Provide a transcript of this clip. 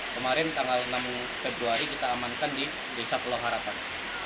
kemarin tanggal enam februari kita amankan di desa pulau harapan